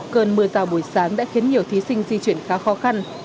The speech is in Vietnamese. cơn mưa rào buổi sáng đã khiến nhiều thí sinh di chuyển khá khó khăn